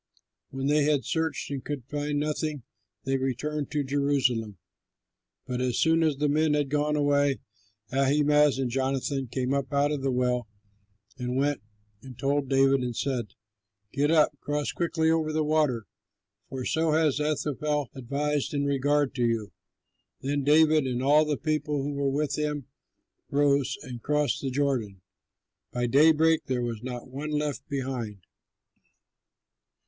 When they had searched and could find nothing, they returned to Jerusalem. But as soon as the men had gone away, Ahimaaz and Jonathan came up out of the well, and went and told David and said, "Get up, cross quickly over the water, for so has Ahithophel advised in regard to you." Then David and all the people who were with him rose and crossed the Jordan. By daybreak there was not one left behind.